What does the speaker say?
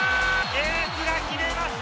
エースが決めました！